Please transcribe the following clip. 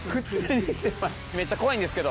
めっちゃ怖いんですけど。